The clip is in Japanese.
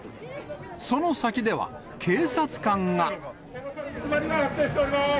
その先では、警察官が。詰まりが発生しております。